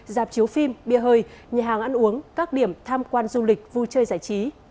dạp chiếu phim bia hơi nhà hàng ăn uống các điểm tham quan du lịch vui chơi giải trí